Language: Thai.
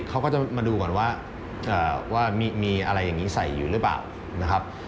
เขาก็จะมาดูก่อนว่ามีอะไรอย่างนี้ใส่อยู่หรือเปล่านะครับ